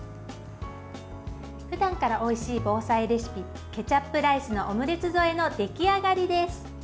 ふだんからおいしい防災レシピケチャップライスのオムレツ添えの出来上がりです。